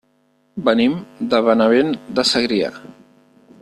Venim de Benavent de Segrià.